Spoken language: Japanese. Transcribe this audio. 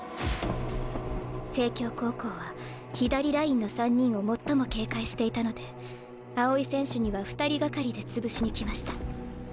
成京高校は左ラインの３人を最も警戒していたので青井選手には２人がかりで潰しに来ました。